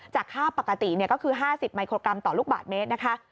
ค่าปกติก็คือ๕๐มิโครกรัมต่อลูกบาทเมตรนะคะ